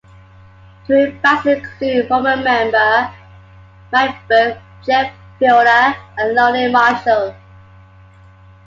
Touring bassists include former member Mike Berg, Jeff Fielder, and Lonnie Marshall.